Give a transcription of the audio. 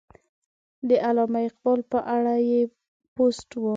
د علامه لقب په اړه یې پوسټ و.